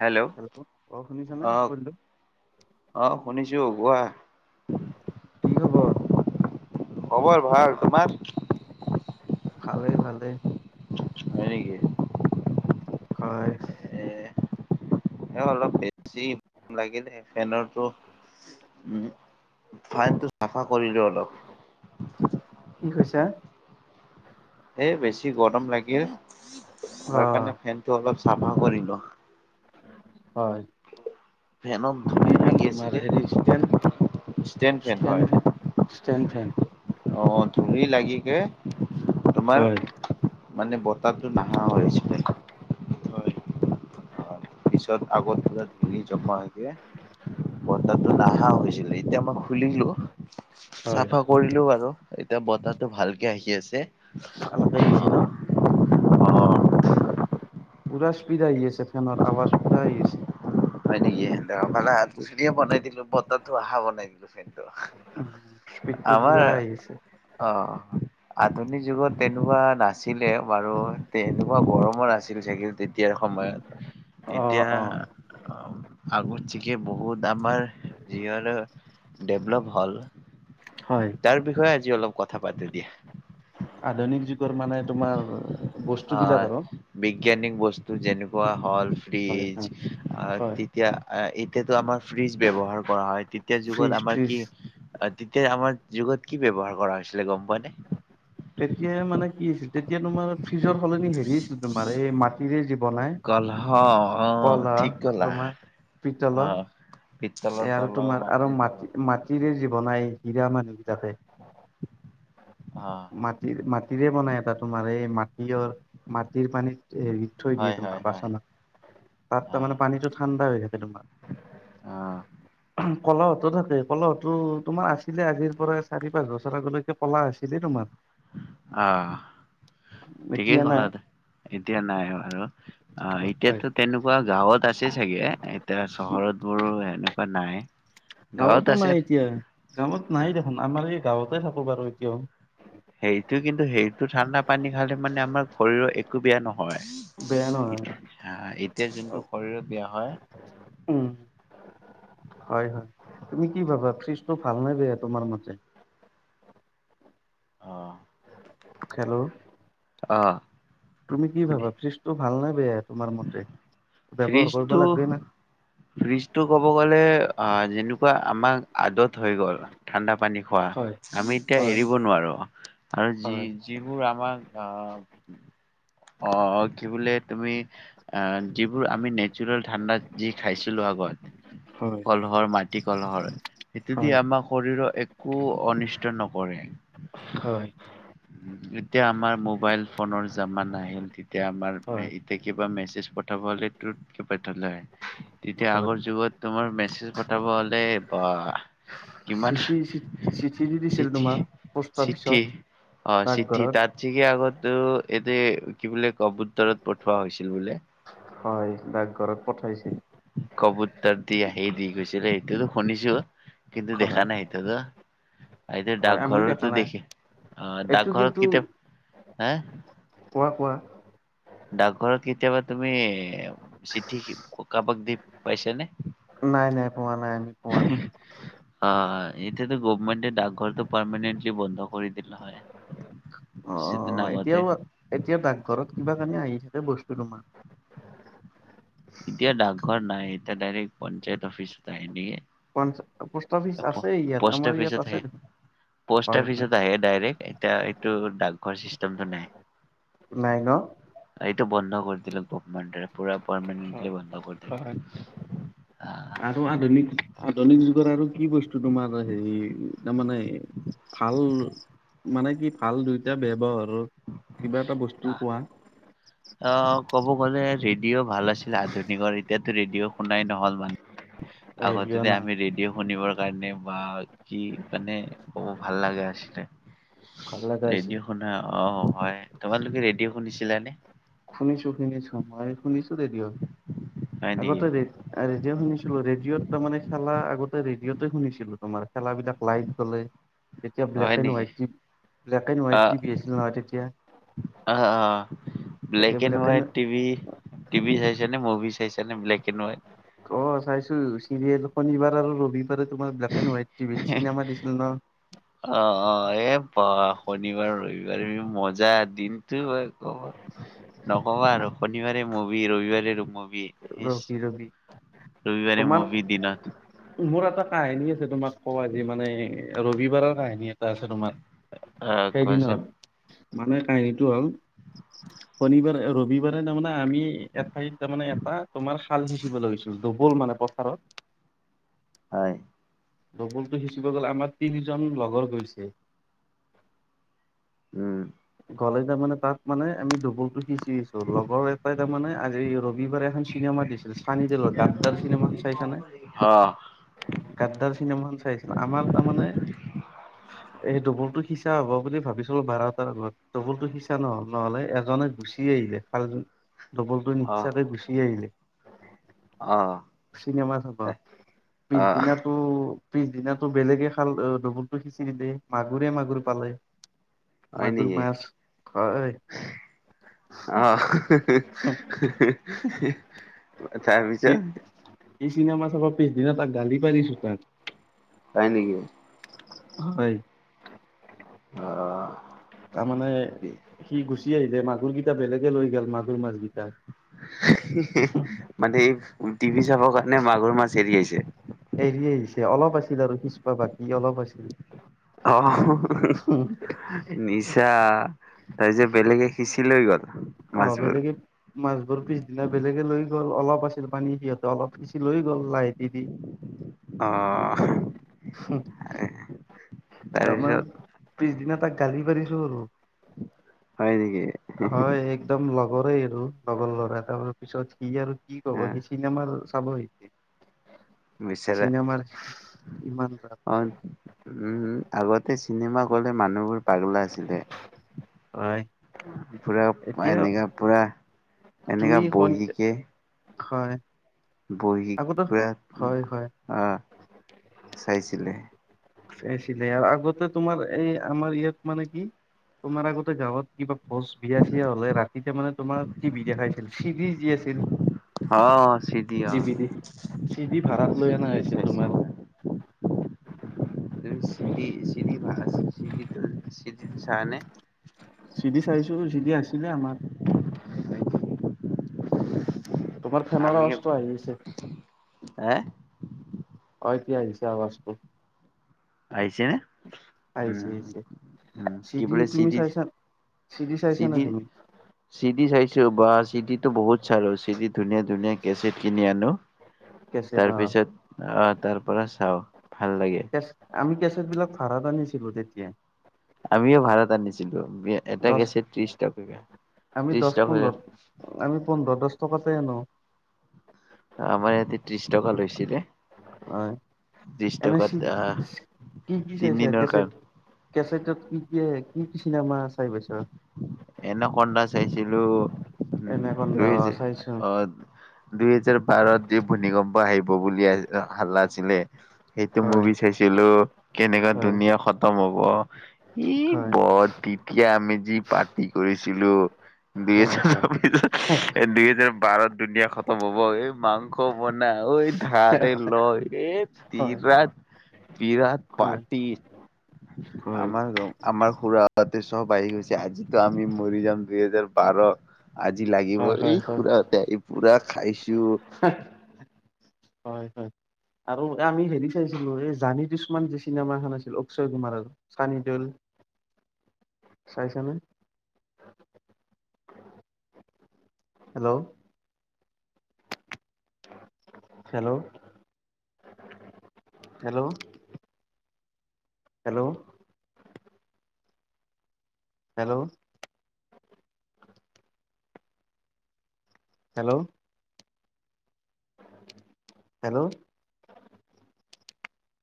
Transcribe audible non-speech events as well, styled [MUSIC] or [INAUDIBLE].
Hello অ শুনিছানে অ', বন্ধু অ', শুনিছোঁ কোৱা। কি খবৰ? খবৰ ভাল। তোমাৰ? ভালেই, ভালেই। হয়, নেকি? হয়। এ এ অলপ বেছি লাগিলে, ফেনৰটো উম, ফেনটো চাফা কৰিলো অলপ। কি কৈছা? এ বেছি গৰম লাগিল, অ তাৰ কাৰণে ফেনটো অলপ চাফা কৰিলো। হয়। ফেন' কি ফেন তোমাৰ? হেৰি, ষ্টেণ ষ্টেণ্ড ফেন হয় ষ্টেণফেন, ষ্টেনফেন। অ', ধুলি লাগিকে, তোমাৰ হয় মানে বতাহটো নাহা হৈছে। হয়। অ'। পিছত আগত পুৰা ধূলি জমা হয়গে। বতাহ টো নাহা হৈছিলে এতিয়া মই খুলিলো, হয় চাফা কৰিলো আৰু এতিয়া বতাহটো ভালকে আহি আছে। ভালকৈ আইছি ন'? পুৰা স্পীড আহি আছে ফেনৰ আৱাজ পুৰা আহ আছে। হয় নেকি? [UNINTELLIGIBLE] [UNINTELLIGIBLE] স্পীডটো পুৰা আহি আছে। অহ। আধুনিক যুগত তেনেকুৱা নাছিলে বাৰু, তেনেকুৱা গৰমত আছিল চাগে তেতিয়াৰ সময়ত। [INAUDIBLE] এতিয়া অ আগতিয়াকে বহুত আমাৰ যি হলেও ডেভলপ হ'ল, হয় তাৰ বিষয়ে আজি অলপ কথা পাতো দিয়া। আধুনিক যুগৰ মানে তোমাৰ বস্তুবিলাক আহ, আৰু বিজ্ঞানিক বস্তু যেনেকুৱা হ'ল হয় ফ্ৰিজ আ হয় তেতিয়া এতিয়াতো আমাৰ ফ্ৰিজ ব্যৱহাৰ কৰা হয়। তেতিয়া ফ্ৰিজ যুগত আমাৰ ফ্ৰিজ কি তেতিয়া আমাৰ যুগত কি ব্যবহাৰ কৰা হৈছিলে গম পোৱা নে? তেতিয়া মানে কি হৈছিল, তেতিয়া তোমাৰ ফ্ৰিজৰ সলনি হেৰি আছিল তোমাৰ এ মাট [UNINTELLIGIBLE] জি বনাই, কলহ অ ঠিক কলহ কলা তোমাৰ পিতলৰ। অ' পিতলৰ এ আৰু কলহ তোমাৰ আৰু মাটিৰ কলহ মাটি মাটিৰে যে বনাই হীৰা মানুহবিলাকে। অহ। মাটিৰ মাটিৰে বনাই এটা তোমাৰ। এ মাটি মাটিৰ পানীত হেৰি থৈ হয় দিয়ে হয় তোমাৰ হয় বাচনত। তাত তামানে পানীটো ঠাণ্ডা হৈ থাকে তোমাৰ। অ। কলহতো থাকে, কলহতো তোমাৰ আছিলে আজিৰ পৰা চাৰি, পাঁচ বছৰ আগলৈকে কলাহ আছিলে তোমাৰ। আহ। ঠিকেই এতিয়া নাই ক'লা দে, এতিয়া নাই বাৰু। আহ হয় এতিয়াতো তেনেকু কুৱা গাঁৱত আছে চাগে, এতিয়া চহৰত বোৰো এনেকুৱা নাই। গাঁৱত গাঁৱতো আছে নাই এতিয়া। গাঁৱত নাই দেখোন, আমাৰ এই গাঁৱতে থাকো বাৰু এতিয়াও। সেইটো কিন্তু সেইটো ঠাণ্ডা পানী খালে মানে আমাৰ শৰীৰৰ এ একো বেয়া নহয়। বেয়া নহয় এতিয়া এতিয়া যোনটো শৰীৰৰ বেয়া হয়। উম। হয়, হয়, তুমি কি ভাবা? ফ্ৰিজটো ভাল নে বেয়া তোমাৰ মতে? অঁ। খেল অ। তুমি কি শুনি ভাবা? ফ্ৰিজটো ভাল নে বেয়া তোমাৰ মতে? ব্যৱহাৰ কৰিব ফ্ৰিজটো লাগে না? ফ্ৰিজটো ক'ব গ'লে অ যেনেকুৱা আমাৰ আদত হৈ গ'ল। ঠাণ্ডা পানী খোৱা। হয় আমি এতিয়া হয় এৰিব নোৱাৰো আৰু যি হয় যিবোৰ আমাক আ', অ' কি বোলে তুমি আহ যিবোৰ আমি নেচাৰেল ঠাণ্ডা যি খাইছিলো আগত কলহৰ মাটি কলহৰ, সেইটোদি হয় আমাৰ শৰীৰৰ এক কো অনিষ্ট নকৰে। হয়। এতিয়া আমাৰ মোবাইল ফোনৰ জামানা আহিল। তেতিয়া আমাৰ [UNINTELLIGIBLE] কিবা মেছেজ পঠাব হ'লে তুত কে পঠালে হয়। তেতিয়া হয় আগৰ যুগত তোমাৰ মেছেজ পঠাব হ'লে বাহ। চিঠি চি চিঠি দি দিছিল চিঠি তোমা পোষ্ট চিঠি অফিচত। অ। চিঠি ডাকঘৰত তাত থিকে আগতো এতে কি বোলে কবুত্তৰত পঠোৱা হৈছিল বোলে? হয়। ডাকঘৰত পঠাইছে। কবুতৰ, দি আহি দি গৈছিলে সেইটো শুনিছো কিন্তু হয় দেখা নাই। আটো হয় আমিও দেখা ডাকঘৰৰতো, নাই দেখি অ এইটো কিন্তু ডাকঘৰত, কিতি হা কোৱা কোৱা? ডাকঘৰত, কেতিয়াবা তুমি চিঠি, কাৰবাক দি পাইছ নে? নাই নাই পোৱা নাই আমি। পোৱা নাই অ এতিয়াতো গভমেটে ডাকঘৰটো, পাৰমানেণ্টলি বন্ধ কৰি দিল হয়। [UNINTELLIGIBLE] অ কিছুদিন আগতে এতিয়াও এতিয়া ডাকঘৰত, কিবা কাৰণে আহি থাকে বস্তু তোমাৰ। এতিয়া ডাকঘৰ, নাই এতিয়া ডাইৰেক্ট পঞ্চায়ত, অফিচত আহি দিয়ে। পঞ্চ পু প'ষ্ট অফিচত, -আহ প'ষ্ট হয় হয় অফিচত, আহে ডাইৰেক্ট। এতিয়া এইটো ডাকঘৰ, চিষ্টেম নাই। নাই ন এইটো বন্ধ কৰি দিলো গভমেণ্ট, পুৰা পাৰমানেটলি বন্ধ কৰিল। হয় আ আৰু আধুনিক আধুনিক যুগত আৰু কি বস্তু তোমাৰ হেৰি তাৰমানে। ভাল মানে কি ভাল দুইটা বৱহাৰৰ কিবা এটা বস্তু আহ, কোৱা? অ ক'ব গ'লে ৰেডিঅ, ' ভাল আছিল আধুনিকৰ এতিয়াতো ৰেডিঅ, ' শুনাই নহল মানুহ। ৰেডিঅ' আগতেতে নাই আমি ৰেডিঅ', শুনিবৰ কাৰণে বা কি মানে কব ভাল লাগা আছিলে। ভাল লগা হৈছে ৰেডিঅ, ' শুনা অ হয় তোমালোকে ৰেডিঅ', শুনিছিলানে? শুনিছো শুনিছো মই শুনিছো ৰেডিঅ', হয় নেকি? আগতে ৰেডিঅ ৰেডিঅ' শুনিছিলো ৰেডিঅ'ত, তাৰ মানে খেলা আগতে ৰেডিঅ'তে শুনিছিলো তোমাৰ খেলাবিলাক লাইফ চলে। তেতিয়া হয় ব্লেক এণ্ড নেকি? White T- black, and, white, অ' টি, ভি -আছিল নহয় তেতিয়া। অ অ black, and, white, T V TV চাইছে নে মুভি, চাইছা নে ব্লেক এণ্ড হোৱাইট অ চাইছো চিৰিয়েল, শনিবাৰ, আৰু ৰবিবাৰে, তোমাৰ ব্লেক এণ্ড হোৱাইট টিভিত চিনেমা, দিছিল ন। অ অ এ বাহ শনিবাৰ, ৰবিবাৰি, মজা দিন। কবা নকবা আৰু শনিবাৰে, মুভি ৰবিবাৰে, ৰূপমি ৰবি ৰবি ৰবিবাৰে তোমাৰ মুভি দিনত। মোৰ এটা কাহিনী আছে। তোমাক কোৱা আজি মানে ৰবিবাৰৰ, কাহিনী এটা আছে তোমাৰ। অ' কোৱাচোন সেইদিনত মানুহে কাহিনীটো হ'ল। শনিবাৰে, ৰবিবাৰে, তাৰমানে আমি এঠাইত তাৰমানে এটা। তোমাৰ খাল সিঁচিব লাগৈছিলো। দবল, মানে পথাৰত। হয়। ডবলটো, সিঁচিব গ'লে আমাৰ তিনিজন লগৰ গৈছে। উম গ'লে তাৰ মানে তাত মানে আমি ডবলতটো সিঁচিছো। ত লগৰ এটা তাৰমানে আজি ৰবিবাৰে এখন চিনেমা দিছিল চানিডলৰ গাদ্দাৰ, চিনেমা এখন চাইছানে। অ গাদ্দাৰ, চিনেমাখন চাই আছিল আমাৰ তাৰমানে। এই দুমৰটো সিচা হব বুলি ভাবিছিলো বাৰটাৰ আগত। ডবলতটো, সিচা নহ'ল নহলে এজনে গুচি আহিলে খাল জন। ডবলটো অ' নিসিচাকে গুচি আহিলে। চিনেমা চাব পিছদিনা টো পিছদিনাটো বেলেগে খাল আ ডবুলটো সিঁচি দিলে মাগুৰে মাগুৰ পালে। মাগুৰ মাছ খোৱা ঐ। আহ, হুহুহু হুহুহ হিহ। উ তাৰ পিছত। ই চিনেমা চাব পিছদিনা তাক গালি পাৰিছোঁ তাক। তাই নেকি? হয়। অহ। তাৰমানে সি গুচি আহিলে, মাগুৰগিটা বেলেগে লৈ গল মাগুৰ মাছগিটা। হিহিহি মানে এই টিভি চাবৰ কাৰণে মাগুৰ মাছ এৰি আহিছে। এৰি আহিছে, অলপ আছিল আৰু সিচবা বাকী অলপ আছিল। অহহ [UNINTELLIGIBLE] নিছা তাৰপিছে বেলেগে সিঁচি লৈ গ'ল। অ মাছবোৰ বেলেগে মাছবোৰ পিছদিনা বেলেগে লৈ গ'ল অলপ আছিল পানী সিহঁতে অলপ সিঁচি লৈ গ'ল লাইটেদি দি। [INAUDIBLE] অহ হুম। তাৰ মই তাৰপিছত পিছদিনা তাক গালি পাৰিছো আৰু। হয় নেকি হয় এক দম লগৰে আৰু লগৰ ল'ৰা তাৰ পিছত সি আৰু কি ক'ব অ সিচ চিনেমাৰ চাব সি, বিচাৰা চিনেমাৰ ইমান অ ভাল। উম আগতে চিনেমা গ'লে মানুহবোৰ পাগলা আছিলে, হয় পুৰা এতিয়া এনেকা পুৰা এনেকা তুমি খন বহিকে হয়। বহী আগতে পুৰা উম হয় হয় আহ চাইছিলে। চাইছিলে আৰু আগতে তোমাৰ এই আমাৰ ইয়াত মানে কি তোমাৰ আগতে গাঁৱত কিবা ভোজ বিয়া - চিয়া হলে ৰাতিতে মানে তোমাৰ টিভি দেখাইছিল, চিদি যি আছিল। হ চি দি অ, টিভি চিডি ভাড়াত লৈ অনা চিদিয়ে হৈছিল চাইছো তোমাৰ মই। তোৰ চি দি, চি দি বা চি দিত চি দিত চাৱা নে? চিদি চাইছো, চিদি আছিলে আমাৰ। তোমাৰ ফেনৰ আৱাজটো আহি আছে। এ? অ এতিয়া আহিছে আৱাজটো। আহিছে নে? আহিছে উম, আহিছে উম কি চিডি বুলে চি তুমি দিৰ, চাইছা চিডি চাইছা চি না দিৰ তুমি চি ডি চাইছো বা চি ডি টো বহুত চালো, চি ডি ধুনীয়া ধুনীয়া কেছেট কিনি আনো। কেছেট তাৰ অ পিছত আহ তাৰ পৰা চাও, ভাল লাগে। কেচ, আমি কেচেটবিলাক ভাড়াত আনিছিলোঁ তেতিয়া। আমিও ভাড়াত আনিছিলো বি এটা দহ কেছেট ত্ৰিশ টকাকে, আমি ত্ৰিশ দহ টকাকে পোন্ধৰ আমি পোন্ধৰ, দচ টকাতে আনো। আমাৰ ইয়াতে ত্ৰিশ টকা লৈছিলে। হয়, ত্ৰিশ এনে টকাত চি, আহ কি কি চাইছা তিনদিনৰ কেছেট? কাৰণে কেছেটত কি কি, কি কি চিনেমা চাই পাইছোঁ। এনে কন্দা চাইছিলোঁ এনাকন্দা অ চাইছো [UNINTELLIGIBLE] দুহেজাৰ বাৰত যি ভূমিকম্প আহিব বুলি হালা আছিলে। সেইটো হয় মুভি চাইছিলোঁ, কেনেকা হয় দুনীয়া খতম হ'ব। ই হয় বৰ তেতিয়া আমি যি পাৰ্টি কৰিছিলোঁ। [UNINTELLIGIBLE] হয় হয় দুহেজাৰ বাৰত দুনীয়া খতম হ'ব এই মাংস ক'ব না ঐ ধাৰে লয় এ হয় [UNINTELLIGIBLE] বিৰাট হয় পাৰ্টি। হয় আমাৰ গাঁৱৰ আমাৰ খুৰাহঁতে চব আহি গৈছে আজি। ত' আমি মৰি যাম দুইহেজাৰ বাৰ। আজি হয় লাগিবই হয় এই হয় খুৰাহঁতে আহি পুৰা খাইছোঁ। হয় হয়। [UNINTELLIGIBLE] আমি হেৰি চাইছিলোঁ এই জানি দুুছমন যে চিনেমা এখন আছিল অক্ষয় কুমাৰৰ। চানিদেৱল, চাইছানে। Hello. Hello. Hello. Hello. Hello. Hello. Hello.